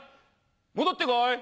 戻ってこい！